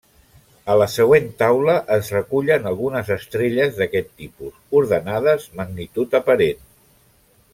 A la següent taula es recullen algunes estrelles d'aquest tipus, ordenades magnitud aparent.